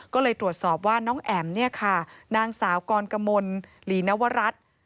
ก็เลยตรวจสอบว่าน้องแอ๋มเนี่ยค่ะนางสาวกรกมลหลีนวรัฐ